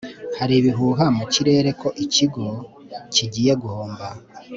hari ibihuha mu kirere ko ikigo kigiye guhomba